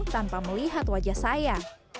tanpa melihat wajah saya